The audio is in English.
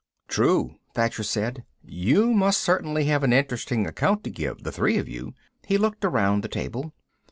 "True," Thacher said. "You must certainly have an interesting account to give, the three of you." He looked around the table.